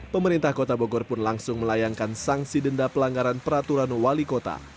pemerintah kota bogor pun langsung melayangkan sanksi denda pelanggaran peraturan wali kota